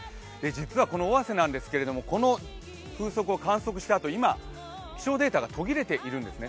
実はこの尾鷲なんですけれども、この風速を観測したあと、今、気象データが途切れているんですね。